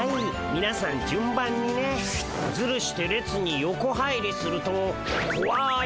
みなさん順番にね。ズルして列に横入りするとこわい